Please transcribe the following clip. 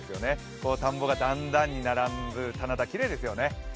こう田んぼが段々に並ぶ棚田、きれいですよね。